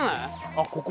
あっここ？